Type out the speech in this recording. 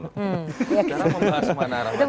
karena membahas kemana mana